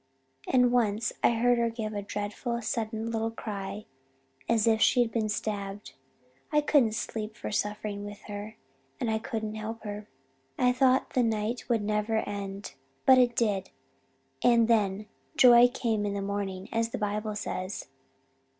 And once I heard her give a dreadful sudden little cry as if she had been stabbed. I couldn't sleep for suffering with her; and I couldn't help her. I thought the night would never end. But it did; and then 'joy came in the morning' as the Bible says.